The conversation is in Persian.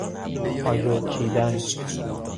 آجر چیدن